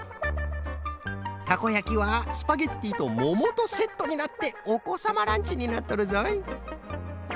たこやきはスパゲッティとももとセットになっておこさまランチになっとるぞい。